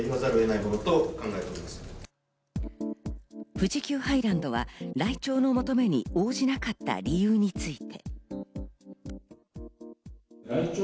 富士急ハイランドは来庁の求めに応じなかった理由について。